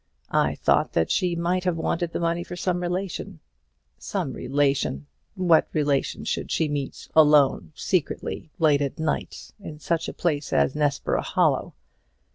I thought that she might have wanted the money for some relation. Some relation! What relation should she meet alone, secretly, late at night, in such a place as Nessborough Hollow?